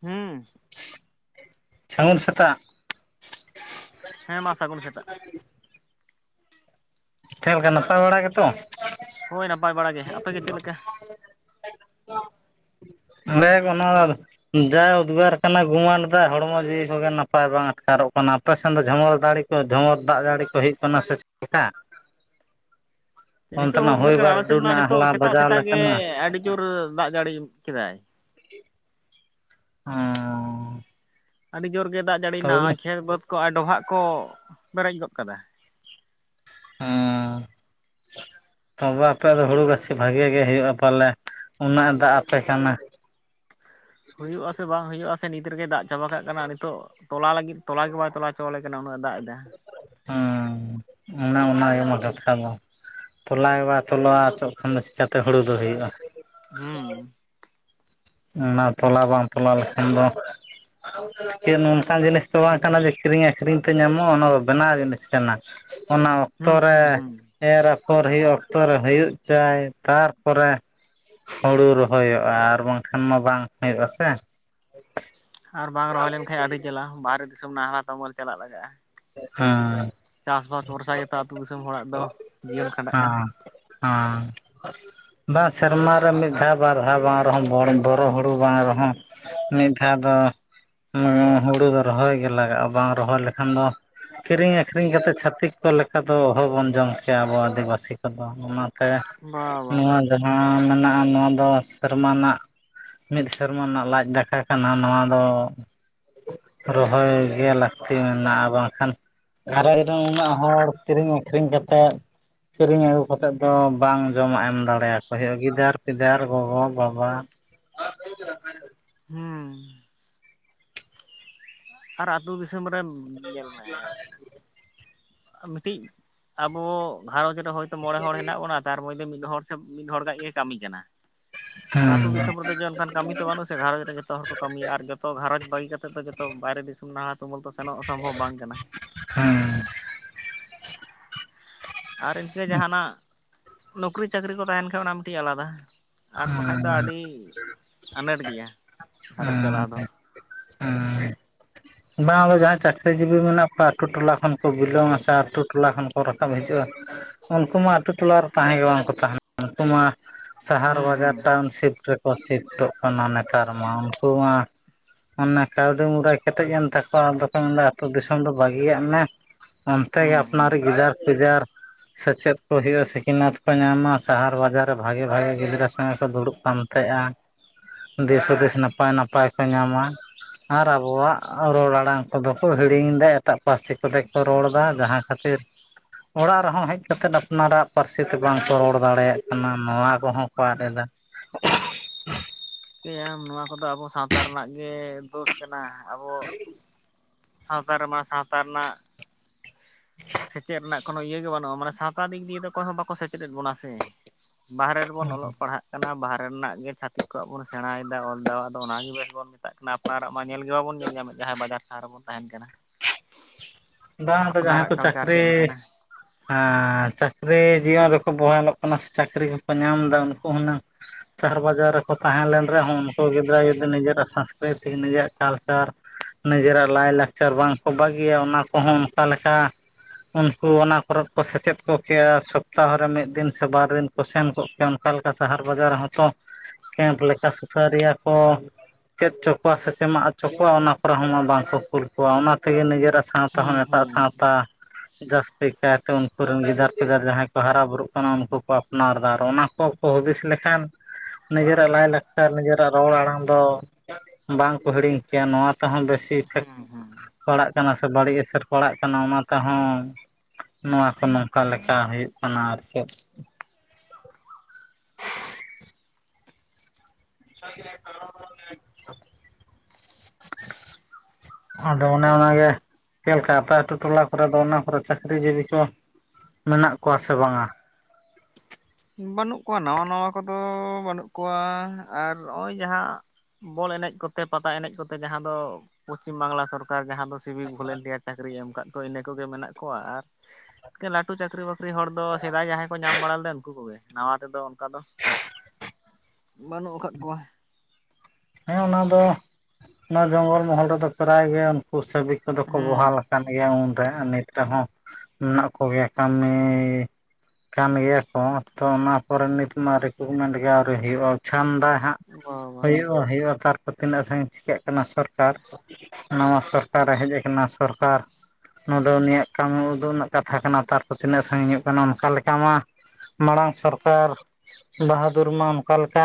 ᱦᱩᱸ ᱥᱟᱹᱜᱩᱱ ᱥᱮᱛᱟᱜ ᱦᱮᱸ ᱢᱟ ᱥᱟᱹᱜᱩᱱ ᱥᱮᱛᱟᱜ ᱪᱮᱫ ᱞᱮᱠᱟ ᱱᱟᱯᱟᱭ ᱵᱟᱲᱟ ᱜᱮᱛᱚ ᱦᱳᱭ ᱱᱟᱯᱟᱭ ᱵᱟᱲᱟ ᱜᱮ ᱟᱯᱮᱜᱮ ᱪᱮᱫ ᱞᱮᱠᱟ [unintelligible] ᱞᱮ [unintelligible] ᱡᱟ ᱩᱫᱽᱜᱟᱹᱨ ᱠᱟᱱᱟ ᱜᱩᱢᱟᱱ ᱫᱟ ᱦᱚᱲᱢᱚ ᱡᱤᱣᱤ ᱠᱚᱜᱮ ᱱᱟᱯᱟᱭ ᱵᱟᱝ ᱟᱴᱠᱟᱨᱚᱜ ᱟᱯᱮ ᱥᱮᱱ ᱫᱚ ᱡᱷᱚᱢᱚᱨ ᱫᱟᱲᱤ ᱠᱚ ᱡᱷᱚᱢᱚᱨ ᱫᱟᱜ ᱡᱟᱹᱲᱤ ᱠᱚ ᱦᱩᱭᱩᱜ ᱠᱟᱱᱟ ᱥᱮ ᱪᱮᱫ ᱞᱮᱠᱟ? ᱱᱤᱛᱚᱜ ᱦᱚᱸ ᱚᱱᱛᱮᱱᱟᱜ ᱩᱫᱽᱜᱟᱹᱨ ᱦᱚᱭ ᱠᱟᱱᱟ ᱟᱞᱮ ᱥᱮᱫ ᱵᱟᱹᱨᱰᱩ ᱢᱟ ᱨᱮᱱᱟᱜ ᱱᱤᱛᱚᱜ ᱦᱟᱞᱟ ᱥᱮᱛᱟᱜ ᱵᱟᱡᱟᱣ ᱥᱮᱛᱟᱜ ᱜᱮ ᱞᱮᱠᱟᱱᱟ ᱟᱹᱰᱤ ᱡᱳᱨ ᱫᱟᱜ ᱡᱟᱹᱲᱤ ᱠᱮᱫᱟᱭ᱾ [inaudible] ᱚᱸᱻ ᱟᱹᱰᱤ ᱡᱳᱨ ᱜᱮ ᱫᱟᱜ ᱡᱟᱹᱲᱤᱭᱮᱱᱟ ᱠᱷᱮᱛ ᱵᱟᱹᱫᱽ ᱠᱚ ᱟᱨ ᱰᱚᱵᱷᱟᱜ ᱠᱚ ᱯᱮᱨᱮᱡ ᱜᱚᱫ ᱠᱟᱫᱟ᱾ ᱟᱸᱻ [inaudible] ᱛᱚᱵᱮ ᱟᱯᱮ ᱫᱚ ᱦᱩᱲᱩ ᱜᱟᱹᱪᱷᱤ ᱵᱷᱟᱜᱤ ᱜᱮ ᱦᱩᱭᱩᱜᱼᱟ ᱯᱟᱞᱮ ᱩᱱᱟᱹᱜ ᱫᱟᱜ ᱟᱯᱮ ᱠᱟᱱᱟ᱾ [inaudible] ᱦᱩᱭᱩᱜ ᱟ ᱥᱮ ᱵᱟᱝ ᱦᱤᱭᱩᱜᱟ, ᱥᱮ ᱱᱤᱛ ᱨᱮᱜᱮ ᱫᱟᱜ ᱪᱟᱵᱟ ᱠᱟᱜ ᱠᱟᱱᱟᱭ᱾ ᱱᱤᱛᱚᱜ ᱛᱚᱞᱟ ᱞᱟᱜᱤᱫ ᱛᱚᱞᱟ ᱜᱮ ᱵᱟᱭ ᱛᱚᱞᱟ ᱦᱚᱪᱚᱣᱟᱞᱮ ᱠᱟᱱᱟ ᱩᱱᱟᱹᱜ ᱮ ᱫᱟᱜ ᱮᱫᱟ᱾ [inaudible] ᱦᱮᱸ [unintelligible] ᱠᱟᱛᱷᱟ ᱫᱚ ᱛᱚᱞᱟ ᱜᱮ ᱵᱟᱭ ᱛᱚᱞᱟ ᱦᱚᱪᱚ ᱠᱷᱟᱱ ᱫᱚ ᱪᱤᱠᱟᱛᱮ ᱦᱩᱲᱩ ᱫᱚ ᱦᱩᱭᱩᱜᱼᱟ᱾ ᱦᱩᱸ ᱚᱱᱟ ᱛᱚᱞᱟ ᱵᱟᱝ ᱛᱚᱞᱟ ᱞᱮᱠᱷᱟᱱ ᱫᱚ ᱪᱮᱫ ᱱᱚᱝᱠᱟᱱ ᱡᱤᱱᱤᱥ ᱫᱚ ᱵᱟᱝ ᱠᱟᱱᱟ ᱡᱮ ᱠᱤᱨᱤᱧ ᱟᱹᱠᱷᱨᱤᱧ ᱛᱮ ᱧᱟᱢᱚᱜᱼᱟ ᱚᱱᱟ ᱫᱚ ᱵᱮᱱᱟᱣ ᱡᱤᱱᱤᱥ ᱠᱟᱱᱟ᱾ ᱚᱱᱟ ᱚᱠᱛᱚ ᱦᱩᱸ ᱨᱮ ᱦᱩᱸ ᱦᱩᱸ ᱮᱨ ᱚᱨ ᱦᱩᱭᱩᱜ ᱚᱠᱛᱚ ᱨᱮ ᱦᱩᱭᱩᱜ ᱪᱟᱭ ᱛᱟᱨᱯᱚᱨᱮ ᱦᱩᱲᱩ ᱨᱚᱦᱚᱭᱚᱜᱼᱟ ᱟᱨ ᱵᱟᱝᱠᱷᱟᱱ ᱢᱟ ᱵᱟᱝ ᱦᱩᱭᱩᱜ ᱟᱥᱮ᱾ ᱟᱨ ᱵᱟᱝ ᱨᱚᱦᱚᱭ ᱞᱮᱱᱠᱷᱟᱱ ᱟᱹᱰᱤ ᱡᱟᱞᱟ ᱵᱟᱦᱨᱮ ᱫᱤᱥᱚᱢ ᱱᱟᱞᱦᱟ ᱛᱩᱢᱟᱹᱟᱞ ᱪᱟᱞᱟᱜ ᱞᱟᱜᱟᱜᱼᱟ᱾ ᱦᱸ ᱪᱟᱥᱼᱵᱟᱥ ᱵᱷᱚᱨᱥᱟ ᱜᱮᱛᱚ ᱟᱹᱛᱩ ᱫᱤᱥᱚᱢ ᱦᱚᱲᱟᱜ ᱫᱚ ᱡᱤᱭᱚᱱ ᱠᱷᱟᱸᱰᱟᱜ ᱦᱮᱸ ᱠᱟᱱᱟ᱾ ᱦᱮᱸ ᱵᱟᱝ ᱥᱮᱨᱢᱟ ᱨᱮ ᱢᱤᱫ ᱫᱷᱟᱣ ᱵᱟᱨ ᱫᱷᱟᱣ ᱵᱟᱝ ᱨᱮᱦᱚᱸ ᱵᱚᱨᱚ ᱦᱩᱲᱩ ᱵᱟᱝ ᱨᱮᱦᱚᱸ ᱢᱤᱫ ᱫᱷᱟᱣ ᱫᱚ ᱦᱩᱲᱩ ᱫᱚ ᱨᱚᱦᱚᱭ ᱜᱮ ᱞᱟᱜᱟᱜᱼᱟ ᱵᱟᱝ ᱨᱚᱦᱚᱭ ᱞᱮᱠᱷᱟᱱ ᱫᱚ ᱠᱤᱨᱤᱧ ᱟᱠᱷᱨᱤᱧ ᱠᱟᱛᱮᱫ ᱪᱷᱟᱛᱤᱠ ᱠᱚ ᱞᱮᱠᱟ ᱫᱚ ᱚᱦᱚ ᱵᱚᱱ ᱡᱚᱢ ᱠᱮᱭᱟ ᱟᱵᱚ ᱟᱹᱫᱤᱵᱟᱥᱤ ᱠᱚᱫᱚ ᱾ [unintelligible] ᱵᱟ ᱵᱟ ᱱᱚᱣᱟ ᱡᱟᱦᱟᱸ ᱢᱮᱱᱟᱜᱼᱟ ᱱᱚᱣᱟ ᱫᱚ ᱥᱮᱨᱢᱟ ᱨᱮᱱᱟᱜ ᱢᱤᱫ ᱥᱮᱨᱢᱟ ᱨᱮᱱᱟᱜ ᱞᱟᱡ ᱫᱟᱠᱟ ᱠᱟᱱᱟ ᱱᱚᱣᱟ ᱫᱚ᱾ ᱨᱚᱦᱚᱭ ᱜᱮ ᱞᱟᱹᱠᱛᱤ ᱢᱮᱱᱟᱜᱼᱟ ᱵᱟᱝ᱾ ᱠᱷᱟᱱ ᱜᱷᱟᱨᱚᱸᱡᱽ ᱨᱮᱱ ᱩᱱᱟᱹᱜ ᱦᱚᱲ ᱠᱤᱨᱤᱧ ᱟᱹᱠᱷᱨᱤᱧ ᱠᱟᱛᱮᱫ ᱠᱤᱨᱤᱧ ᱟᱹᱜᱩ ᱠᱟᱛᱮᱫ ᱫᱚ ᱵᱟᱝ ᱡᱚᱢᱟᱜ ᱮᱢ ᱫᱟᱲᱮᱭᱟᱠᱚ ᱦᱩᱭᱩᱜᱼᱟ ᱜᱤᱫᱟᱹᱨ ᱯᱤᱫᱟᱹᱨ ᱜᱚᱜᱚᱼᱵᱟᱵᱟ᱾ [unintelligible] ᱦᱩᱸ ᱟᱨ ᱟᱹᱛᱩ ᱫᱤᱥᱚᱢ ᱨᱮᱱ ᱧᱮᱞ ᱢᱮ ᱢᱤᱫᱴᱤᱡ ᱟᱵᱚ ᱜᱷᱟᱨᱚᱸᱡᱽ ᱨᱮ ᱦᱳᱭᱛᱚ ᱢᱚᱬᱮ ᱦᱚᱲ ᱦᱮᱱᱟᱜ ᱵᱚᱱᱟ ᱛᱟᱨ ᱢᱚᱫᱽᱫᱷᱮ ᱢᱤᱫ ᱦᱚᱲ ᱥᱮ ᱢᱤᱫ ᱦᱚᱲᱟᱜ ᱜᱮ ᱠᱟᱹᱢᱤ ᱠᱟᱱᱟ᱾ ᱟᱨ ᱟᱹᱛᱩ ᱦᱮᱸ ᱫᱤᱥᱚᱢ ᱨᱮ ᱡᱮ ᱚᱱᱠᱟᱱ ᱠᱟᱹᱢᱤ ᱫᱚ ᱵᱟᱹᱱᱩᱜ ᱥᱮ ᱜᱸᱷᱟᱨᱚᱸᱡᱽ ᱨᱮ ᱡᱚᱛᱚ ᱦᱚᱲ ᱠᱚ ᱠᱟᱹᱢᱤᱭᱟ ᱟᱨ ᱡᱚᱛᱚ ᱜᱷᱟᱨᱚᱸᱡᱽ ᱵᱟᱹᱜᱤ ᱠᱟᱛᱮ ᱫᱚ ᱡᱚᱛᱚ ᱵᱟᱭᱨᱮ ᱫᱤᱥᱚᱢ ᱱᱟᱦᱞᱟ ᱛᱩᱢᱟᱹᱞ ᱛᱚ ᱥᱮᱱᱚᱜ ᱥᱚᱢᱵᱷᱚᱵᱽ ᱵᱟᱝ ᱠᱟᱱᱟ᱾ ᱦᱮᱸ ᱟᱨ ᱤᱱᱠᱟᱹ ᱡᱟᱦᱟᱱᱟᱜ ᱱᱚᱩᱠᱨᱤ ᱪᱟᱠᱨᱤ ᱠᱚ ᱛᱟᱦᱮᱱ ᱠᱷᱟᱱ ᱚᱱᱟ ᱢᱤᱴᱤᱡ ᱟᱞᱟᱫᱟ᱾ ᱟᱨ ᱵᱟᱠᱷᱟᱡ ᱫᱚ ᱟᱹᱰᱤ ᱟ. ᱱᱟᱴ ᱜᱮᱭᱟ ᱜᱷᱟᱨᱚᱸᱡᱽ ᱦᱮᱸ ᱪᱟᱞᱟᱣ ᱫᱚ᱾ [inaudible] ᱵᱟᱝ ᱟᱫᱚ ᱡᱟᱦᱟᱸᱭ ᱪᱟᱹᱠᱨᱤ ᱡᱤᱵᱤ ᱢᱮᱱᱟᱜ ᱠᱚᱣᱟ ᱟᱛᱩ ᱴᱚᱞᱟ ᱠᱷᱚᱱ ᱠᱚ ᱵᱤᱞᱚᱢᱝᱼᱟ ᱥᱮ ᱟᱛᱩ ᱴᱚᱞᱟ ᱠᱷᱚᱱ ᱠᱚ ᱨᱟᱠᱟᱵ ᱦᱤᱡᱩᱜᱼᱟ᱾ ᱩᱱᱠᱩ ᱢᱟ ᱟᱛᱩ ᱴᱚᱞᱟ ᱨᱮ ᱛᱟᱦᱮᱸ ᱜᱮ ᱵᱟᱝᱠᱚ ᱛᱟᱦᱮᱱᱟ ᱩᱱᱠᱩ ᱢᱟ ᱥᱟᱦᱟᱨ ᱦᱩᱸ ᱵᱟᱡᱟᱨ ᱦᱩᱸ ᱴᱟᱣᱩᱱᱥᱤᱯ ᱨᱮ ᱥᱤᱯᱴᱚ ᱠᱟᱱᱟ ᱱᱮᱛᱟᱨ ᱢᱟ ᱩᱱᱠᱩ ᱢᱟ ᱚᱱᱮ ᱠᱟᱹᱣᱰᱤ ᱢᱩ [unintelligible] ᱠᱮᱴᱮᱡ ᱮᱱ ᱛᱟᱠᱚᱣᱟ ᱟᱫᱚ ᱠᱚ ᱢᱮᱱᱫᱟ ᱟᱹᱛᱩ ᱫᱤᱥᱚᱢ ᱫᱚ ᱵᱟᱹᱜᱤᱭᱟᱜ ᱢᱮ᱾ ᱚᱱᱛᱮ ᱜᱮ ᱦᱩᱸ ᱦᱩᱸ ᱟᱯᱱᱟᱨᱤ ᱜᱤᱫᱟᱹᱨ ᱯᱤᱫᱟᱹᱨ [inaudible] ᱥᱮᱪᱮᱫ ᱠᱚ ᱦᱩᱭᱩᱜᱼᱟ ᱥᱤᱠᱷᱱᱟᱹᱛ ᱠᱚ ᱧᱟᱢᱟ ᱥᱟᱦᱟᱨ ᱵᱟᱡᱟᱨ ᱨᱮ ᱵᱷᱟᱜᱮ ᱵᱷᱟᱜᱤ ᱜᱤᱫᱽᱨᱟᱹ ᱥᱚᱸᱜᱮ ᱠᱚ ᱫᱩᱲᱩᱵ ᱯᱟᱱᱛᱮᱜᱼᱟ᱾ ᱫᱤᱥ ᱦᱩᱫᱤᱥ ᱱᱟᱯᱟᱭ ᱱᱟᱯᱟᱭ ᱠᱚ ᱧᱟᱢᱟ ᱟᱨ ᱟᱵᱚᱣᱟᱜ ᱨᱚᱲ ᱟᱲᱟᱝ ᱠᱚᱫᱚ ᱠᱚ ᱦᱤᱲᱤᱧ ᱮᱫᱟ ᱮᱴᱟᱜ ᱯᱟᱹᱨᱥᱤ ᱠᱚᱛᱮ ᱠᱚ ᱨᱚᱲᱫᱟ ᱡᱟᱦᱟᱸ ᱠᱷᱟᱹᱛᱤᱨ ᱚᱲᱟᱜ ᱨᱮᱦᱚᱸ ᱦᱮᱡ ᱠᱟᱛᱮᱫ ᱟᱯᱱᱟᱨᱟᱜ ᱯᱟᱹᱨᱥᱤ ᱛᱮ ᱵᱟᱝᱠᱚ ᱨᱚᱲ ᱫᱟᱲᱮᱭᱟᱜ ᱠᱟᱱᱟ ᱱᱚᱣᱟ ᱠᱚᱦᱚᱸ ᱠᱚ ᱟᱫ ᱮᱫᱟ᱾ [inaudible] ᱪᱤᱠᱟ. ᱭᱟᱢ ᱱᱚᱣᱟ ᱠᱚᱫᱚ ᱟᱵᱚ ᱥᱟᱶᱛᱟ ᱨᱮᱱᱟᱜ ᱜᱮ ᱫᱳᱥ ᱠᱟᱱᱟ ᱟᱵᱚ ᱥᱟᱶᱛᱟ ᱨᱮᱢᱟ ᱥᱟᱶᱛᱟ ᱨᱮᱱᱟᱜ ᱥᱮᱪᱮᱫ ᱨᱮᱱᱟᱜ ᱠᱳᱱᱳ ᱤᱭᱟᱹ ᱜᱮ ᱵᱟᱹᱱᱩᱜᱼᱟ ᱢᱟᱱᱮ ᱥᱟᱶᱛᱟ ᱫᱤᱠ ᱫᱤᱭᱮ ᱫᱚ ᱚᱠᱚᱭ ᱦᱚᱸ ᱵᱟᱠᱚ ᱥᱮᱪᱮᱫᱮᱫ ᱵᱚᱱᱟ ᱥᱮ᱾ ᱵᱟᱦᱨᱮ ᱨᱮᱵᱚᱱ ᱚᱞᱚᱜ ᱯᱟᱲᱦᱟᱜ ᱠᱟᱱᱟ ᱵᱟᱦᱟᱨ ᱨᱮᱱᱟᱜ ᱜᱮ ᱪᱷᱟᱛᱤᱠ ᱠᱚᱣᱟᱜ ᱵᱚᱱ ᱥᱮᱬᱟᱭᱮᱫᱟ ᱚᱞᱫᱟ ᱟᱫᱚ ᱚᱱᱟᱜᱮ ᱵᱮᱥ ᱵᱚᱱ ᱢᱮᱛᱟᱜ ᱠᱟᱱᱟ ᱟᱯᱱᱟᱨᱟᱜ ᱢᱟ ᱧᱮᱞ ᱜᱮ ᱵᱟᱵᱚᱱ ᱧᱮᱞ ᱧᱟᱢᱮᱫ ᱠᱟᱱᱟ᱾ ᱡᱟᱦᱟᱸᱭ ᱵᱟᱡᱟᱨ ᱥᱟᱦᱟᱨ ᱨᱮᱵᱚᱱ ᱛᱟᱦᱮᱱ ᱠᱟᱱᱟ᱾ ᱵᱟᱝ ᱫᱚ ᱡᱟᱦᱟᱸᱭ ᱟᱯᱱᱟᱨᱟᱜ ᱠᱚ ᱠᱟᱞᱪᱟᱨ ᱪᱟᱹᱠᱨᱤ ᱪᱮᱫ ᱞᱮᱠᱟᱱᱟ ᱮᱸ ᱪᱟᱹᱠᱨᱤ ᱡᱤᱭᱚᱱ ᱨᱮᱠᱚ ᱵᱚᱦᱟᱞᱚᱜ ᱠᱟᱱᱟ ᱥᱮ ᱪᱟᱹᱠᱨᱤ ᱠᱚᱠᱚ ᱧᱟᱢ ᱮᱫᱟ ᱩᱱᱠᱩ ᱦᱩᱱᱟᱹᱝ ᱥᱟᱦᱟᱨ- ᱵᱟᱡᱟᱨ ᱨᱮᱠᱚ ᱛᱟᱦᱮᱸ ᱞᱮᱱ ᱨᱮᱦᱚᱸ ᱩᱱᱠᱩ ᱜᱤᱫᱽᱨᱟᱹ ᱡᱩᱫᱤ ᱱᱤᱡᱮᱨᱟᱜ ᱥᱟᱥᱠᱨᱤᱛᱤ ᱱᱤᱡᱮᱨᱟᱜ ᱠᱟᱞᱪᱟᱨ ᱱᱤᱡᱮᱨᱟᱜ ᱞᱟᱭᱼᱞᱟᱠᱪᱟᱨ ᱵᱟᱝᱠᱚ ᱵᱟᱹᱜᱤᱭᱟ ᱚᱱᱟ ᱠᱚᱦᱚᱸ ᱚᱱᱠᱟ ᱞᱮᱠᱟ ᱩᱱᱠᱩ ᱚᱱᱟ ᱠᱚᱨᱮ ᱠᱚ ᱥᱮᱪᱮᱫ ᱠᱚᱜ ᱠᱮᱭᱟ ᱥᱚᱯᱛᱟ ᱨᱮ ᱢᱤᱫ ᱫᱤᱱ ᱥᱮ ᱵᱟᱨ ᱫᱤᱱ ᱠᱚ ᱥᱮᱱ ᱠᱚᱜ ᱠᱮᱭᱟ, ᱚᱱᱠᱟ ᱚᱠᱟ ᱞᱮᱠᱟ ᱥᱟᱦᱟᱨ ᱵᱟᱡᱟᱨ ᱨᱮ ᱦᱚᱸᱛᱚ ᱠᱮᱢᱯ ᱞᱮᱠᱟ ᱥᱩᱥᱟᱹᱨᱤᱭᱟ ᱠᱚ ᱪᱮᱫᱪᱚ ᱠᱚᱣᱟ ᱥᱮ ᱪᱮ ᱮᱢᱟᱜ ᱦᱚᱪᱚ ᱠᱚᱣᱟ ᱚᱱᱟ ᱠᱚᱨᱮ ᱦᱚᱸ ᱵᱟᱝᱠᱚ ᱠᱩᱞ ᱠᱚᱣᱟ ᱚᱱᱟ ᱛᱮᱜᱮ ᱱᱤᱡᱮᱨᱟᱜ ᱥᱟᱶᱛᱮ ᱦᱩᱸ ᱡᱚᱛᱚᱦᱚᱱ ᱮᱴᱟᱜ ᱦᱩᱸ ᱥᱟᱶᱛᱟ ᱡᱟᱹᱥᱛᱤ ᱠᱟᱭᱛᱮ ᱩᱱᱠᱩᱮᱱ ᱜᱤᱫᱟᱹᱨ ᱯᱤᱫᱟᱹᱨ ᱡᱟᱦᱟᱸᱭ ᱠᱚ ᱦᱟᱨᱟ ᱵᱩᱨᱩᱜ ᱠᱟᱱᱟ ᱩᱱᱠᱩ ᱠᱚ ᱟᱯᱱᱟᱨ ᱫᱟ ᱟᱨ ᱚᱱᱟ ᱠᱚ ᱦᱩᱫᱤᱥ ᱞᱮᱠᱷᱟᱱ ᱱᱤᱡᱮᱨᱟᱜ ᱞᱟᱭᱼᱞᱟᱠᱪᱟᱨ ᱱᱤᱡᱮᱨᱟᱜ ᱨᱚᱲ ᱟᱲᱟᱝ ᱫᱚ ᱵᱟᱝ ᱠᱚ ᱦᱤᱲᱤᱧ ᱠᱮᱭᱟ ᱱᱚᱣᱟ ᱛᱮᱦᱚᱸ ᱵᱮᱥ ᱦᱮᱸ ᱦᱮᱸ ᱯᱟᱲᱟᱜ ᱠᱟᱱᱟ ᱥᱮ ᱵᱟᱹᱲᱤᱡ ᱮᱥᱮᱨ ᱯᱟᱲᱟᱜ ᱠᱟᱱᱟ ᱚᱱᱟ ᱛᱮᱦᱚᱸ ᱱᱚᱣᱟ ᱠᱚ ᱱᱚᱝᱠᱟ ᱞᱮᱠᱟ ᱦᱩᱭᱩᱜ ᱠᱟᱱᱟ ᱟᱨ ᱪᱮᱫ [unintelligible] [unintelligible] ᱟᱫᱚ ᱚᱱᱮ ᱚᱱᱟᱜᱮ ᱪᱮᱫ ᱞᱮᱠᱟ ᱟᱹᱛᱩ ᱟᱹᱛᱩ ᱴᱚᱞᱟ ᱠᱚᱨᱮ ᱫᱚ ᱚᱱᱟ ᱠᱚᱨᱮ ᱪᱟᱹᱠᱨᱤ ᱡᱤᱵᱤ ᱠᱚ ᱢᱮᱱᱟᱜ ᱠᱚᱣᱟ ᱥᱮ ᱵᱟᱝᱼᱟ? ᱵᱟᱹᱱᱩᱜ ᱠᱚᱣᱟ ᱱᱟᱣᱟ ᱱᱟᱣᱟ ᱠᱚᱫᱚ ᱵᱟᱹᱱᱩᱜ ᱠᱚᱣᱟ ᱟᱨ ᱱᱚᱜᱼᱚᱭ ᱡᱟᱦᱟᱸ ᱵᱚᱞ ᱮᱱᱮᱡ ᱠᱚᱛᱮ ᱯᱟᱛᱟ ᱮᱱᱮᱡ ᱠᱚᱛᱮ ᱡᱟᱦᱟᱸ ᱫᱚ ᱯᱚᱥᱪᱤᱢ ᱵᱟᱝᱞᱟ ᱥᱚᱨᱠᱟᱨ ᱡᱟᱦᱟᱸ ᱫᱚ ᱥᱤᱵᱤᱠ ᱵᱷᱚᱞᱮᱱᱴᱤᱭᱟᱨ ᱪᱟᱹᱠᱨᱤᱭ ᱮᱢ ᱠᱟᱫ ᱠᱚᱣᱟ ᱟᱨ ᱞᱟᱹᱴᱩ ᱪᱟᱹᱠᱨᱤ ᱵᱟᱠ ᱦᱚᱲ ᱫᱚ ᱥᱮᱫᱟᱭ ᱡᱟᱦᱟᱸᱭ ᱠᱚ ᱧᱟᱢ ᱵᱟᱲᱟ ᱞᱮᱫᱮ ᱠᱚᱜᱮ ᱱᱟᱣᱟ ᱛᱮᱫᱚ ᱚᱱᱠᱟ ᱫᱚ ᱵᱟᱹᱱᱩᱜ ᱟᱠᱟᱫ ᱠᱚᱣᱟ᱾ ᱦᱮᱸ ᱚᱱᱟ ᱫᱚ ᱚᱱᱟ ᱡᱚᱝᱜᱚᱞ ᱢᱚᱦᱚᱞ ᱨᱮᱫᱚ ᱯᱨᱟᱭ ᱜᱮ ᱩᱱᱠᱩ ᱪᱷᱚᱵᱤ ᱠᱚᱫᱚ ᱠᱚ ᱦᱮᱸ ᱵᱚᱦᱞᱟ ᱟᱠᱟᱱ ᱜᱮᱭᱟ᱾ ᱩᱱ ᱱᱤᱛ ᱨᱮᱦᱚᱸ ᱢᱮᱱᱟᱜ ᱠᱚᱜᱮᱭᱟ᱾ ᱠᱟᱹᱢᱤ ᱠᱟᱱ ᱜᱮᱭᱟᱠᱚ ᱛᱚ ᱚᱱᱟ ᱯᱚᱨᱮ ᱱᱤᱛ ᱢᱟ ᱨᱤᱠᱨᱩᱴᱢᱮᱱᱴ ᱜᱮ ᱟᱹᱣᱨᱤ ᱦᱩᱭᱩᱜᱼᱟᱪᱷᱟᱱ ᱵᱟ ᱵᱟ ᱥᱚᱨᱠᱟᱨ ᱠᱚ ᱛᱤᱱᱟᱹᱜ ᱥᱟᱺᱜᱤᱧ ᱪᱤᱠᱟᱹᱜ ᱠᱟᱱᱟ ᱥᱚᱨᱠᱟᱨ ᱱᱚᱣᱟ ᱥᱚᱨᱠᱟᱨᱮ ᱦᱮᱡ ᱟᱠᱟᱱᱟ᱾ ᱥᱚᱨᱠᱟᱨ ᱱᱚᱣᱟ ᱫᱚ ᱩᱱᱤᱭᱟᱜ ᱠᱟᱹᱢᱤ ᱩᱫᱩᱜ ᱨᱮᱱᱟᱜ ᱠᱟᱛᱷᱟ ᱠᱟᱱᱟ ᱛᱟᱨ ᱯᱚᱨ ᱛᱤᱱᱟᱹᱜ ᱥᱟᱹᱜᱤᱧ ᱦᱩᱭᱩᱜ ᱠᱟᱱᱟ ᱚᱱᱠᱟ ᱞᱮᱠᱟ ᱢᱟ ᱢᱟᱲᱟᱝ ᱥᱚᱨᱠᱟᱨ ᱵᱟᱦᱟ ᱫᱩᱨᱱᱟᱢ ᱚᱠᱟ ᱞᱮᱠᱟ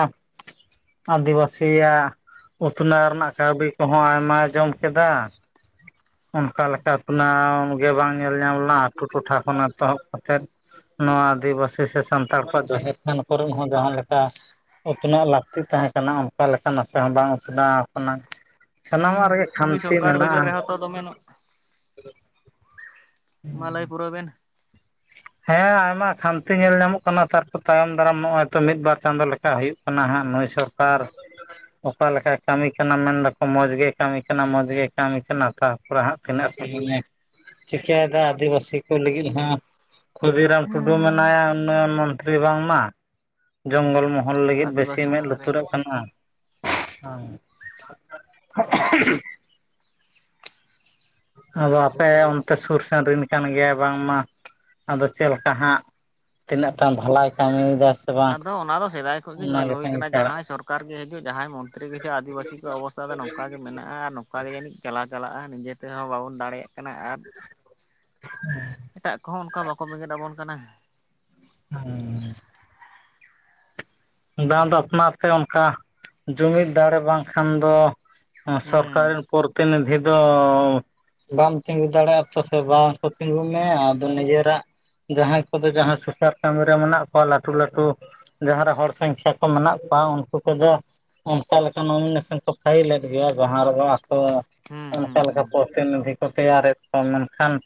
ᱟᱹᱫᱤᱵᱟᱹᱥᱤ ᱯᱮᱭᱟ ᱩᱛᱷᱱᱟᱹᱣ ᱨᱮᱱᱟᱜ ᱠᱟᱹᱣᱰᱤ ᱠᱚᱦᱚᱸ ᱟᱭᱢᱟᱭ ᱡᱚᱢ ᱠᱮᱫᱟ᱾ ᱚᱱᱠᱟ ᱞᱮᱠᱟ ᱩᱛᱱᱟᱹ ᱜᱮ ᱵᱟᱝ ᱧᱮᱞ ᱧᱟᱢ ᱞᱮᱱᱟ ᱟᱹᱛᱩᱳ ᱴᱚᱴᱷᱟ ᱠᱷᱚᱱ ᱮᱛᱚᱦᱚᱵ ᱠᱟᱛᱮᱫ ᱱᱚᱣᱟ ᱟᱹᱫᱤᱵᱟᱹᱥᱤ ᱥᱮ ᱥᱟᱱᱛᱟᱲ ᱠᱚᱣᱟᱜ ᱡᱟᱦᱮᱨ ᱛᱷᱟᱱ ᱠᱚᱨᱮ ᱦᱚᱸ ᱡᱟᱦᱟᱸ ᱞᱮᱠᱟ ᱩᱛᱷᱱᱟᱹᱶ ᱞᱟᱹᱠᱛᱤᱜ ᱛᱟᱦᱮᱸ ᱠᱟᱱᱟ ᱚᱱᱠᱟ ᱞᱮᱠᱟ ᱱᱟᱥᱮ ᱦᱚᱸ ᱵᱟᱝ ᱩᱛᱷᱱᱟᱹᱶ ᱟᱠᱟᱱᱟ᱾ ᱦᱮᱸ ᱥᱟᱱᱟᱢᱟᱜ ᱨᱮᱜᱮ ᱩᱱᱤ ᱠᱷᱟᱱᱛᱤ ᱥᱚᱨᱠᱟᱨ ᱵᱤᱫᱟᱹᱞ ᱢᱮᱱᱟᱜᱼᱟ᱾ ᱨᱮᱦᱚᱸ ᱛᱚ ᱫᱚᱢᱮ ᱢᱟ ᱞᱟᱹᱭ ᱯᱩᱨᱟᱹᱣ ᱵᱮᱱ ᱦᱮᱸ ᱟᱭᱢᱟ ᱠᱷᱟᱱᱛᱤ ᱧᱮᱞ ᱧᱟᱢᱚᱜ ᱠᱟᱱᱟ ᱛᱟᱨᱯᱚᱨ ᱛᱟᱭᱚᱢ ᱫᱟᱨᱟᱢ ᱱᱚᱜᱼᱚᱭ ᱛᱚ ᱢᱤᱫ ᱵᱟᱨ ᱪᱟᱸᱫᱳ ᱞᱮᱠᱟ ᱦᱩᱭᱩᱜ ᱠᱟᱱᱟ ᱦᱟᱸᱜ᱾ ᱱᱩᱭ ᱥᱚᱨᱠᱟᱨ ᱚᱠᱟᱮ ᱞᱮᱠᱟᱭ ᱠᱟᱹᱢᱤ ᱠᱟᱱᱟ ᱢᱮᱱᱫᱟᱠᱚ ᱢᱚᱡᱽ ᱜᱮ ᱠᱟᱹᱢᱤ ᱠᱟᱱᱟ ᱢᱚᱡᱽ ᱜᱮ ᱠᱟᱹᱢᱤ ᱠᱟᱱᱟ ᱛᱟᱣᱯᱚᱨᱮ ᱦᱟᱸᱜ ᱛᱤᱱᱟᱹᱜ ᱪᱤᱠᱟᱹᱭᱮᱫᱟ ᱟᱹᱫᱤᱵᱟᱹᱥᱤ ᱠᱚ ᱞᱟᱹᱜᱤᱫ ᱦᱚᱸ ᱠᱷᱩᱫᱤᱨᱟᱢ ᱴᱩᱰᱩ ᱢᱮᱱᱟᱭᱟ ᱩᱱᱱᱚᱭᱚᱱ ᱢᱚᱱᱛᱨᱤ ᱵᱟᱝᱢᱟ ᱡᱚᱝᱜᱚᱞ ᱢᱚᱦᱚᱞ ᱦᱚᱲ ᱞᱟᱹᱜᱤᱫ ᱟᱹᱫᱤᱵᱟᱹᱥᱤ ᱵᱟᱹᱥᱭᱟᱹᱢ ᱢᱮᱸᱫ ᱢᱚᱱᱛᱨᱤ ᱞᱩᱛᱩᱨ ᱟᱜ ᱠᱟᱱᱟ᱾ [unintelligible] ᱟᱫᱚ ᱟᱯᱮ ᱚᱱᱛᱮ ᱥᱩᱨ ᱥᱮᱱ ᱨᱤᱱ ᱠᱟᱱ ᱜᱮᱭᱟ ᱵᱟᱝ ᱢᱟ? ᱟᱫᱚ ᱪᱮᱫ ᱞᱮᱠᱟ ᱦᱟᱸᱜ ᱛᱤᱱᱟᱹᱜᱴᱟ ᱵᱷᱟᱞᱟᱭ ᱠᱟᱹᱢᱤᱭᱮᱫᱟ ᱥᱮ ᱵᱟᱝ ᱟᱫᱚ ᱚᱱᱟ ᱫᱚ ᱥᱮᱫᱟᱭ ᱠᱷᱚᱱ ᱜᱮ ᱚᱱᱟ ᱧᱮᱞ ᱦᱩᱭ ᱜᱮᱛᱟᱧ ᱠᱟᱱᱟ, ᱪᱟᱲᱟᱜ ᱡᱟᱦᱟᱸᱭ ᱥᱚᱨᱠᱟᱨ ᱜᱮ ᱦᱤᱡᱩᱜ ᱡᱟᱦᱟᱸᱭ ᱢᱚᱱᱛᱨᱤ ᱜᱮ ᱦᱤᱡᱩᱜ ᱟᱹᱫᱤᱵᱟᱹᱥᱤ ᱠᱚ ᱚᱵᱚᱥᱛᱟ ᱫᱚ ᱱᱚᱝᱠᱟ ᱜᱮ ᱢᱮᱱᱟᱜᱼᱟ ᱟᱨ ᱱᱚᱝᱠᱟ ᱜᱮ ᱡᱟᱹᱱᱤᱡ ᱪᱟᱞᱟᱣ ᱪᱟᱞᱟᱜᱼᱟ᱾ ᱱᱤᱡᱮ ᱛᱮᱦᱚᱸ ᱵᱟᱵᱚᱱ ᱫᱟᱲᱮᱭᱟᱜ ᱠᱟᱱᱟ ᱟᱨ ᱦᱮᱸ ᱮᱴᱟᱜ ᱠᱚᱦᱚᱸ ᱚᱱᱠᱟ ᱵᱟᱠᱚ ᱵᱮᱸᱜᱮᱫ ᱟᱵᱚᱱ ᱠᱟᱱᱟ᱾ ᱦᱩᱸ᱾ ᱫᱟᱢ ᱫᱚ ᱟᱯᱱᱟᱨ ᱛᱮ ᱚᱱᱠᱟ ᱡᱩᱢᱤᱫ ᱫᱟᱲᱮ ᱵᱟᱝᱠᱷᱟᱱ ᱫᱚ᱾ ᱥᱚᱨᱠᱟᱨ ᱦᱮᱸ ᱨᱤᱱ ᱯᱚᱨᱛᱤᱱᱤᱫᱷᱤ ᱫᱚ ᱵᱟᱢ ᱛᱤᱸᱜᱩ ᱫᱟᱲᱮᱭᱟᱜᱼᱟ ᱛᱮ ᱥᱮ ᱵᱟᱝ ᱠᱚ ᱛᱤᱸᱜᱩ ᱢᱮᱭᱟ ᱫᱩᱱᱣᱟ. ᱨᱟ-ᱜ? ᱡᱟᱦᱟᱸᱭ ᱠᱚᱫᱚ ᱡᱟᱦᱟᱸ ᱥᱩᱥᱟ. ᱨ ᱠᱟᱹᱢᱤ ᱨᱮ ᱢᱮᱱᱟᱜ ᱠᱚᱣᱟ ᱞᱟᱹᱴᱩ ᱞᱟᱹᱴᱩ ᱡᱟᱦᱟᱸᱨᱮ ᱦᱚᱲ ᱥᱟᱸᱝᱠᱷᱟ ᱠᱚ ᱢᱮᱱᱟᱜ ᱠᱚᱣᱟ ᱩᱱᱠᱩ ᱠᱚᱫᱚ ᱚᱱᱠᱟ ᱞᱮᱠᱟ ᱱᱩᱢᱤᱱᱮᱥᱟ. ᱱ ᱠᱚ ᱯᱷᱟᱭᱤᱞᱮᱫ ᱜᱮᱭᱟ ᱡᱟᱦᱟᱸ ᱨᱮᱫᱚ ᱛᱚ ᱦᱩᱸ ᱚᱱᱠᱟ ᱦᱩᱸ ᱞᱮᱠᱟ ᱯᱚᱨᱛᱤᱱᱤᱫᱷᱤ ᱠᱚ ᱛᱮᱭᱟᱨᱮᱫ ᱠᱚᱣᱟ ᱢᱮᱱᱠᱷᱟᱱ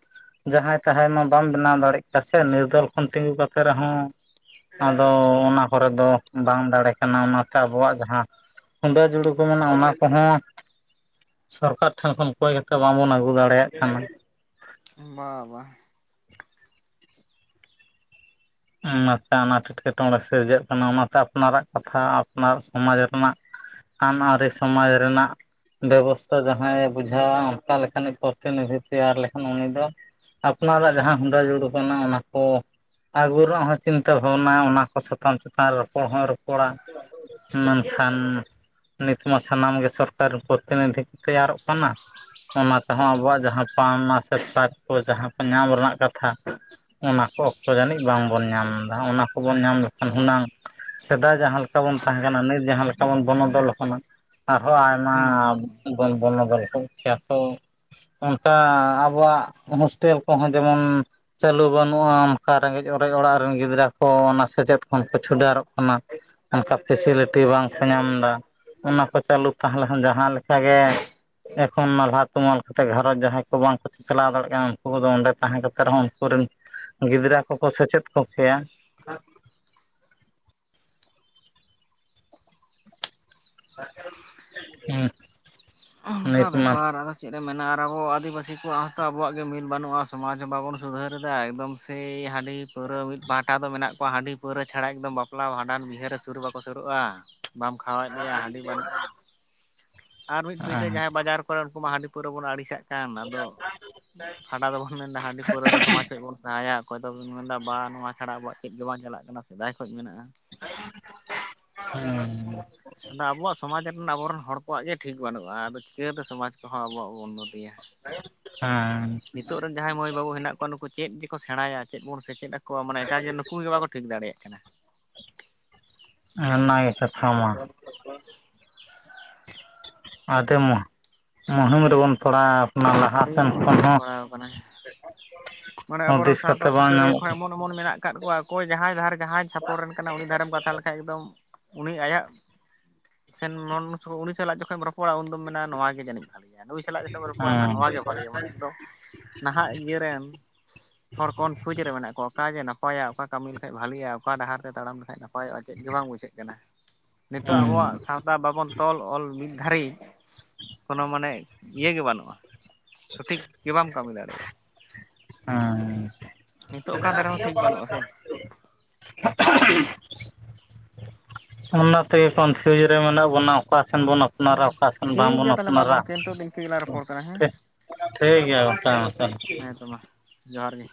[unintelligible] ᱟᱫᱚ ᱚᱱᱟ ᱠᱚᱨᱮ ᱫᱚ ᱵᱟᱝ ᱫᱟᱲᱮ ᱠᱟᱱᱟ ᱚᱱᱟᱛᱮ ᱟᱵᱚᱣᱟᱜ ᱡᱟᱦᱟᱸ ᱦᱩᱸᱰᱟᱹ ᱡᱩᱲᱩ ᱠᱚ ᱢᱮᱱᱟᱜᱼᱟ ᱚᱱᱟ ᱠᱚᱦᱚᱸ ᱥᱚᱨᱠᱟᱨ ᱴᱷᱮᱱ ᱠᱷᱚᱱ ᱠᱚᱭ ᱦᱚᱛᱚ ᱵᱟᱵᱚᱱ ᱟᱹᱜᱩ ᱫᱟᱲᱮᱭᱟᱜ ᱠᱟᱱᱟ᱾ ᱵᱟ ᱵᱟ᱾ ᱚᱱᱟᱛᱮ ᱚᱱᱟ ᱮᱴᱠᱮᱴᱚᱬᱮ ᱥᱤᱨᱡᱟᱹᱜ ᱠᱟᱱᱟ ᱚᱱᱟᱛᱮ ᱟᱯᱱᱟᱨᱟᱜ ᱠᱟᱛᱷᱟ ᱟᱯᱱᱟᱨ ᱥᱚᱢᱟᱡᱽ ᱨᱮᱱᱟᱜ᱾ ᱟᱱᱟᱨᱤ ᱥᱚᱢᱟᱡᱽ ᱨᱮᱱᱟᱜ ᱵᱮᱵᱚᱥᱛᱷᱟ ᱡᱟᱦᱟᱸᱭᱮ ᱵᱩᱡᱷᱟᱹᱣᱟ ᱚᱱᱠᱟ ᱞᱮᱠᱟᱱᱤᱡ ᱯᱚᱨᱛᱤᱱᱤᱫᱷᱤ ᱛᱮᱭᱟᱨ ᱞᱮᱠᱷᱟᱱ ᱩᱱᱤ ᱫᱚ ᱟᱯᱱᱟᱨᱟᱜ ᱡᱟᱦᱟᱸ ᱦᱩᱸᱰᱟᱹ ᱡᱩᱲᱩ ᱚᱱᱟ ᱚᱱᱟ ᱠᱚ᱾ ᱟᱹᱜᱩ ᱨᱮᱱᱟᱜ ᱦᱚᱸ ᱪᱤᱱᱛᱟᱹ ᱵᱷᱟᱵᱱᱟ ᱚᱱᱟ ᱠᱚ ᱥᱟᱛᱟᱢ ᱪᱮᱛᱟᱱ ᱨᱮ ᱦᱚᱸ ᱨᱚᱯᱚᱲ- ᱟ᱾ ᱢᱮᱱᱠᱷᱟᱱ ᱱᱤᱛᱢᱟ ᱥᱟᱱᱟᱢᱜᱮ ᱥᱚᱨᱠᱟᱨᱤ ᱯᱚᱨᱛᱤᱱᱤᱫᱷᱤ ᱠᱚ ᱛᱮᱭᱟᱨᱚᱜ ᱠᱟᱱᱟ᱾ ᱚᱱᱟ ᱛᱮᱦᱚᱸ ᱟᱵᱚᱣᱟᱜ ᱡᱟᱦᱟᱸ ᱯᱟᱣᱱᱟ ᱥᱮ ᱥᱟᱠᱷ ᱠᱚ ᱡᱟᱦᱟᱸ ᱠᱚ ᱧᱟᱢ ᱨᱮᱱᱟᱜ ᱠᱟᱛᱷᱟ ᱚᱱᱟ ᱠᱚ᱾ ᱡᱟᱹᱱᱤᱡ ᱵᱟᱝᱵᱚᱱ ᱧᱟᱢ ᱮᱫᱟ᱾ ᱚᱱᱟ ᱠᱚᱵᱚᱱ ᱧᱟᱢ ᱞᱮᱠᱷᱟᱱ ᱦᱩᱱᱟᱹᱝ ᱥᱮᱫᱟᱭ ᱡᱟᱦᱟᱸ ᱞᱮᱠᱟ ᱵᱚᱱ ᱛᱟᱦᱮᱸ ᱠᱟᱱᱟ ᱱᱤᱛ ᱡᱟᱦᱟᱸ ᱞᱮᱠᱟ ᱵᱚᱱ ᱵᱚᱱᱚᱫᱚᱞᱚᱜ ᱠᱟᱱᱟ᱾ ᱟᱨᱦᱚᱸ ᱟᱭᱢᱟ ᱦᱩᱸ ᱦᱩᱸ ᱦᱩᱸ ᱵᱚᱱ ᱵᱚᱱᱚᱫᱚᱞ ᱠᱚ ᱠᱮᱭᱟᱛᱚ ᱚᱱᱠᱟ ᱟᱵᱚᱣᱟᱜ ᱦᱳᱥᱴᱮᱞ ᱠᱚᱦᱚᱸ ᱡᱮᱢᱚᱱ ᱪᱟᱹᱞᱩ ᱵᱟᱹᱱᱩᱜᱼᱟ᱾ ᱚᱠᱟ ᱨᱮᱸᱜᱮᱡ ᱚᱨᱮᱡ ᱚᱲᱟᱜ ᱨᱤᱱ ᱜᱤᱫᱽᱨᱟᱹ ᱠᱚ ᱚᱱᱟ ᱥᱮᱪᱮᱫ ᱠᱷᱚᱱ ᱠᱚ ᱪᱷᱩᱰᱟ. ᱨᱚᱜ ᱠᱟᱱᱟ ᱚᱱᱠᱟ ᱯᱷᱤᱥᱤᱞᱤᱴᱤ ᱵᱟᱝᱠᱚ ᱧᱟᱢ ᱮᱫᱟ᱾ ᱚᱱᱟ ᱠᱚ ᱪᱟᱹᱞᱩ ᱛᱟᱦᱮᱸ ᱞᱮᱱ ᱡᱟᱦᱟᱸ ᱞᱮᱠᱟᱜᱮ ᱮᱠᱷᱚᱱ ᱱᱟᱞᱦᱟ ᱛᱩᱢᱟᱹᱞ ᱠᱟᱛᱮ ᱜᱷᱟᱨᱚᱸᱡᱽ ᱡᱟᱦᱟᱸᱭ ᱠᱚ ᱵᱟᱝᱠᱚ ᱪᱟᱞᱟᱣ ᱫᱟᱲᱮᱭᱟᱜ ᱠᱟᱱᱟ ᱩᱱᱠᱩ ᱠᱚᱫᱚ ᱚᱸᱰᱮ ᱛᱟᱦᱮᱸ ᱠᱟᱛᱮ ᱨᱮᱦᱚᱸ ᱩᱱᱠᱩ ᱜᱤᱫᱽᱨᱟᱹ ᱠᱚᱠᱚ ᱥᱮᱪᱮᱫ ᱠᱚᱜ ᱠᱮᱭᱟ᱾ ᱦᱩᱸ᱾ ᱚᱱᱠᱟ ᱵᱮᱯᱟᱨ ᱟᱫᱚ ᱪᱮᱫ? ᱢᱮᱱᱟᱜᱼᱟ ᱟᱨ ᱟᱵᱚ ᱟᱹᱫᱤᱵᱟᱹᱥᱤ ᱠᱚᱣᱟᱜ ᱦᱚᱸᱛᱚ ᱟᱵᱚᱣᱟᱜ ᱜᱮ ᱢᱤᱞ ᱵᱟᱹᱱᱩᱜᱼᱟ ᱥᱚᱢᱟᱡᱽ ᱦᱚᱸ ᱵᱟᱵᱚᱱ ᱥᱩᱫᱷᱟᱹᱨ ᱮᱫᱟ ᱮᱠᱫᱚᱢ ᱥᱮᱭ ᱦᱸ᱾ ᱦᱟᱺᱰᱤ ᱯᱟᱹᱣᱨᱟᱹ ᱢᱤᱫ ᱯᱟᱦᱴᱟ ᱫᱚ ᱢᱮᱱᱟᱜ ᱦᱟᱺᱰᱤ ᱯᱟᱹᱣᱨᱟᱹ ᱪᱷᱟᱲᱟ ᱮᱠᱫᱚᱢ ᱵᱟᱯᱞᱟ ᱵᱷᱟᱸᱰᱟᱱ ᱵᱤᱦᱟᱹᱨᱮ ᱥᱩᱨ ᱵᱟᱠᱚ ᱥᱩᱨᱩᱜᱼᱟ᱾ ᱵᱟᱢ ᱠᱷᱟᱣᱟᱭᱮᱫ ᱞᱮᱭᱟ ᱦᱟᱺᱰᱤ ᱵᱟᱹᱱᱩᱜᱼᱟ ᱟᱨ ᱢᱤᱫ ᱯᱤᱴᱟᱹ ᱦᱮᱸ ᱡᱟᱦᱟᱸᱭ ᱵᱟᱡᱟᱨ ᱠᱚᱨᱮ ᱩᱱᱠᱩ ᱢᱟ ᱦᱟᱺᱰᱤ ᱯᱟᱹᱣᱨᱟᱹ ᱵᱚᱱ ᱟᱹᱲᱤᱥᱟᱜ ᱠᱟᱱ ᱟᱫᱚ ᱯᱷᱟᱰᱟ ᱫᱚᱵᱚᱱ ᱢᱮᱱᱫᱟ ᱦᱟᱺᱰᱤ ᱯᱟᱹᱣᱨᱟᱹ ᱫᱚ ᱥᱚᱢᱟᱡᱽ ᱠᱷᱚᱱ ᱵᱚᱱ ᱥᱟᱦᱟᱭᱟ᱾ ᱚᱠᱚᱭ ᱫᱚᱵᱤᱱ ᱢᱮᱱᱫᱟ ᱵᱟ ᱱᱚᱣᱟ ᱪᱷᱟᱲᱟ ᱟᱵᱚᱣᱟᱜ ᱪᱮᱫ ᱜᱮ ᱵᱟᱝ ᱪᱟᱞᱟᱜ ᱠᱟᱱᱟ ᱥᱮᱫᱟᱭ ᱠᱷᱚᱱ ᱢᱮᱱᱟᱜᱼᱟ᱾ ᱦᱩᱸ᱾ ᱟᱫᱚ ᱟᱵᱚᱣᱟᱜ ᱥᱚᱢᱟᱡᱽ ᱨᱮᱱᱟᱜ ᱟᱵᱚᱨᱤᱱ ᱦᱚᱲ ᱠᱚᱣᱟᱜ ᱜᱮ ᱴᱷᱤᱠ ᱵᱟᱹᱱᱩᱜᱼᱟ ᱟᱫᱚ ᱪᱤᱠᱟᱹᱛᱮ ᱥᱚᱢᱟᱡᱽ ᱠᱚᱦᱚᱸ ᱟᱵᱚᱣᱟᱜ ᱵᱚᱱ ᱦᱮᱸ ᱱᱤᱛᱚᱜ ᱨᱤᱱ ᱡᱟᱦᱟᱸᱭ ᱢᱟᱹᱭ ᱵᱟᱹᱵᱩ ᱦᱮᱱᱟᱜ ᱠᱚᱣᱟ ᱱᱩᱠᱩ ᱪᱮᱫ ᱠᱚ ᱥᱮᱬᱟᱭᱟ ᱪᱮᱫ ᱵᱚᱱ ᱥᱮᱪᱮᱫ ᱟᱠᱚᱣᱟ ᱢᱟᱱᱮ ᱮᱴᱟᱜᱮ ᱱᱩᱠᱩ ᱜᱮ ᱵᱟᱠᱚ ᱴᱷᱤᱠ ᱫᱟᱲᱮᱭᱟᱜ ᱠᱟᱱᱟ᱾ ᱚᱱᱟᱜᱮ ᱠᱟᱛᱷᱟ ᱢᱟ᱾ ᱟᱫᱚ ᱢᱟ ᱢᱩᱦᱤᱢ ᱨᱮᱵᱚᱱ ᱯᱟᱲᱟᱣ ᱚᱱᱟ ᱞᱟᱦᱟ ᱟᱹᱰᱤ ᱥᱮᱱ ᱠᱷᱚᱱ ᱢᱩᱥᱠᱤᱞ ᱦᱚᱸ ᱯᱟᱲᱟᱣ ᱟᱠᱟᱱᱟ [unintelligible] ᱢᱟᱱᱮ ᱟᱵᱚᱨᱤᱱ ᱦᱩᱫᱤᱥ ᱠᱟᱛᱮ ᱥᱟᱶᱛᱟ ᱵᱟᱝ ᱥᱩᱥᱟᱹᱨᱤᱭᱟᱹ ᱧᱟᱢᱚᱜ ᱠᱷᱚᱱ ᱮᱢᱚᱱ ᱮᱢᱚᱱ ᱢᱮᱱᱟᱜ ᱟᱠᱟᱫ ᱠᱚᱣᱟ ᱚᱠᱚᱭ ᱡᱟᱦᱟᱸᱭ ᱫᱷᱟᱨ ᱡᱟᱦᱟᱸᱭ ᱪᱷᱟᱯᱚᱱ ᱨᱤᱱ ᱠᱟᱱᱟᱭ ᱩᱱᱤ ᱫᱷᱟᱨᱮᱢ ᱠᱟᱛᱷᱟ ᱞᱮᱠᱟ ᱮᱠᱫᱚᱢ᱾ ᱩᱱᱤ ᱟᱭᱟᱜ ᱥᱮᱱ ᱩᱱᱤ ᱥᱟᱞᱟᱜ ᱡᱚᱠᱷᱚᱡ ᱨᱚᱯᱚᱲᱟᱢ ᱩᱱ ᱫᱚᱢ ᱢᱮᱱᱟ ᱱᱚᱣᱟᱜᱮ ᱡᱟᱹᱱᱤᱡ᱾ ᱱᱩᱭ ᱥᱟᱞᱟᱜ ᱜᱮᱥᱮᱢ ᱨᱚᱯᱚᱲᱟ ᱠᱟᱱᱟ᱾ ᱱᱚᱣᱟᱜᱮ ᱵᱷᱟᱹᱜᱞᱤᱭᱟ ᱢᱟᱱᱮ ᱤᱧ ᱫᱚ ᱱᱟᱦᱟᱜ ᱤᱭᱟᱹ ᱨᱮᱱ ᱦᱚᱲ ᱠᱚᱱᱯᱷᱤᱭᱩᱡᱽ ᱨᱮ ᱢᱮᱱᱟᱜ ᱠᱚᱣᱟ᱾ ᱚᱠᱟ ᱡᱮ ᱱᱟᱯᱟᱭᱟ ᱚᱠᱟ ᱠᱟᱹᱢᱤ ᱞᱮᱠᱷᱟᱡ ᱵᱷᱟᱹᱞᱤᱣᱟ ᱚᱠᱟ ᱰᱟᱦᱟᱨ ᱛᱮ ᱛᱟᱲᱟᱢ ᱞᱮᱠᱷᱟᱡ ᱦᱮᱸ ᱦᱮᱸ [unintelligible] ᱫᱷᱟᱹᱨᱤᱡ ᱠᱳᱱᱳ ᱢᱟᱱᱮ ᱤᱭᱟᱹᱜᱮ ᱵᱟᱹᱱᱩᱜᱼᱟ᱾ ᱥᱚᱴᱷᱤᱠ ᱜᱮ ᱵᱟᱢ ᱠᱟᱹᱢᱤ ᱫᱟᱲᱮᱭᱟᱜᱼᱟ᱾ ᱱᱤᱛᱚᱜ ᱚᱠᱟ ᱫᱷᱟᱨᱮ ᱦᱚᱸ ᱴᱷᱤᱠ ᱦᱸ-ᱚ ᱵᱟᱹᱱᱩᱜᱼᱟ ᱥᱮ [unintelligible] ᱚᱱᱟ ᱛᱮ ᱠᱚᱱᱯᱷᱤᱭᱩᱡᱽ ᱨᱮ ᱢᱮᱱᱟᱜ ᱵᱚᱱᱟ ᱚᱠᱟ ᱚᱠᱟ ᱥᱮᱱ ᱵᱚᱱ ᱦᱮᱸ ᱟᱯᱱᱟᱨᱟ ᱚᱠᱟ ᱥᱮᱱ ᱴᱷᱤᱠ ᱵᱟᱝᱵᱚᱱ ᱜᱮᱭᱟ ᱛᱟᱦᱚᱞᱮ ᱢᱟ ᱟᱯᱱᱟᱨᱟ᱾ ᱜᱚᱝᱠᱮ ᱱᱤᱛᱚᱜ ᱫᱚ ᱤᱱᱠᱟᱹ ᱜᱮᱞᱟᱝ ᱨᱚᱯᱚᱲ ᱠᱟᱱᱟ ᱦᱮᱸ ᱴᱷᱤᱠ ᱜᱮᱭᱟ ᱜᱚᱝᱠᱮ ᱢᱩᱪᱟᱹᱫ ᱦᱮᱸ ᱛᱚ ᱢᱟ ᱡᱚᱦᱟᱨ ᱜᱮ